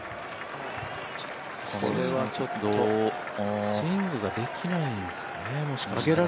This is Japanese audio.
これはちょっとスイングでできないですかね、もしかしたら。